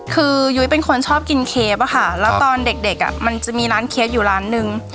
คือยุ้ยเป็นคนชอบกินเคฟอะค่ะแล้วตอนเด็กมันจะมีร้านเคฟอยู่ร้านนึง